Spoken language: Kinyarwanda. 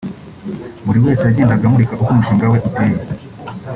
buri wese yagendaga amurika uko umushinga we uteye